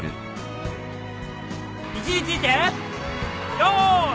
位置について用意。